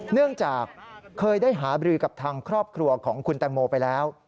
เนื่องจากเคยได้หาบรือกับทางครอบครัวของคุณแตงโมไปแล้ว